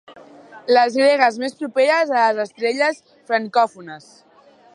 Les gregues més properes a les estrelles francòfones.